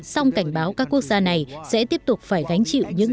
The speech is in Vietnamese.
song cảnh báo các quốc gia này sẽ tiếp tục phải gánh chịu những tiến hành